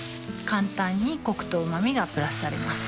簡単にコクとうま味がプラスされます